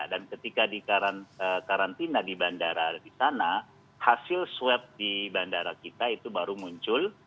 dan ketika di karantina di bandara di sana hasil swab di bandara kita itu baru muncul